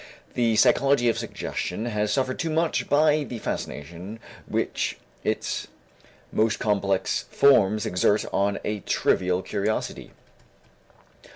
The psychology of suggestion has suffered too much by the fascination which its most complex forms exert on a trivial curiosity.